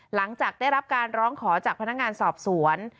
หลังจากได้รับการร้องขอจากพนักงานสอบสวน